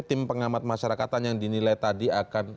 tim pengamat masyarakatan yang dinilai tadi akan